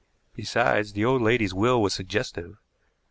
Besides, the old lady's will was suggestive.